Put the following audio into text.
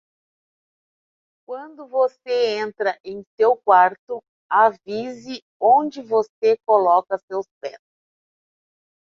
Quando você entra em seu quarto, avise onde você coloca seus pés!